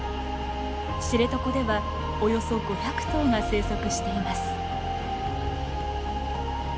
知床ではおよそ５００頭が生息しています。